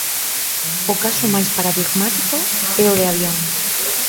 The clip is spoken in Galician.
O caso máis paradigmático é o de Avión.